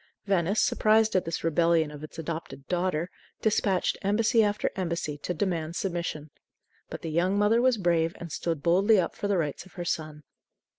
Venice, surprised at this rebellion of its adopted "daughter," dispatched embassy after embassy to demand submission. But the young mother was brave and stood boldly up for the rights of her son.